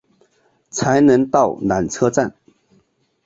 才能到缆车站